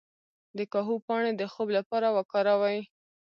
د کاهو پاڼې د خوب لپاره وکاروئ